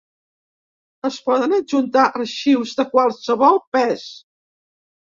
Es poden adjuntar arxius de qualsevol pes.